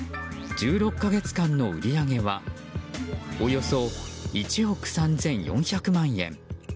１６か月間の売り上げはおよそ１億３４００万円。